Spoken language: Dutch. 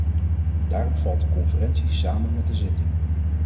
Daarom valt de conferentie samen met de zitting.